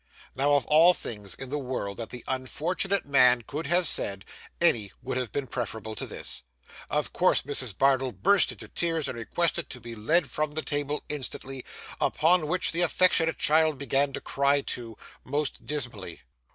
Now, of all things in the world that the unfortunate man could have said, any would have been preferable to this. Of course Mrs. Bardell burst into tears, and requested to be led from the table instantly; upon which the affectionate child began to cry too, most dismally.